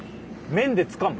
面でつかむ？